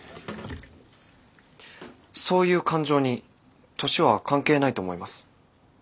そういう感情に年は関係ないと思います。